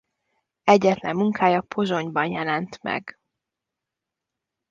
Egyetlen munkája Pozsonyban jelent meg.